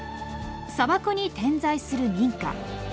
砂漠に点在する民家。